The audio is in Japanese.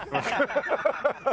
ハハハハ！